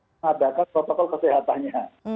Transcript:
karena ada protokol kesehatannya